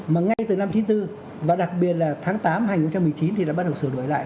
mà ngay từ năm chín mươi bốn và đặc biệt là tháng tám hai nghìn một mươi chín thì đã bắt đầu sửa đổi lại